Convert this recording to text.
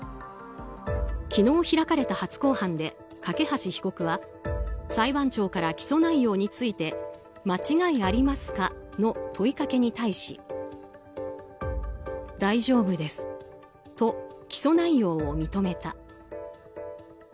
昨日開かれた初公判で梯被告は裁判長から起訴内容について間違いありますかの問いかけに対し。と、起訴内容を認めた。